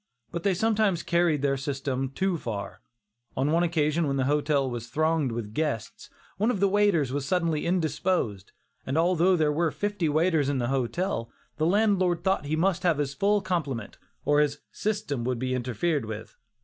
But they sometimes carried their system too far. On one occasion when the hotel was thronged with guests, one of the waiters was suddenly indisposed, and although there were fifty waiters in the hotel, the landlord thought he must have his full complement, or his "system" would be interfered with.